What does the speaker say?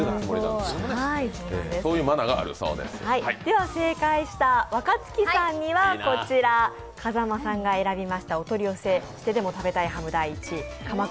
では正解した若槻さんにはこちら、風間さんが選びましたお取り寄せしてでも食べたいハム１位、鎌倉